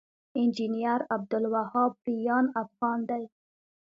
انجنير عبدالوهاب ريان افغان دی